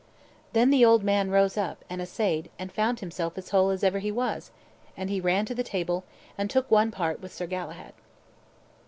Then the old man rose up, and assayed, and found himself as whole as ever he was; and he ran to the table, and took one part with Sir Galahad.